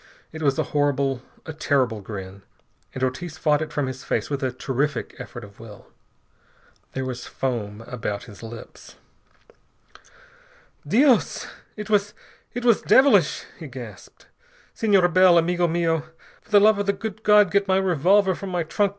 It was a horrible, a terrible grin, and Ortiz fought it from his face with a terrific effort of will. There was foam about his lips. "Dios! It was it was devilish!" he gasped. "Senor Bell, amigo mio, for the love of the good God get my revolver from my trunk.